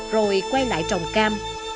rồi quay lại trồng cam